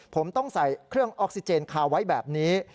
ผมต้องใส่เครื่องออกซิเจนคาไว้แบบนี้